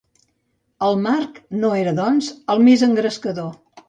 El marc no era, doncs, el més engrescador.